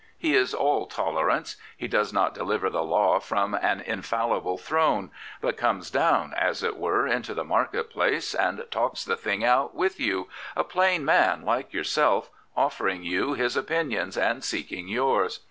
He is all tolerance. He does not deliver the law from an infallible throne; but comes down, as it were, into the market place and talks the thing out with you, a plain man like yourself, offering you his opinion and seeking yours.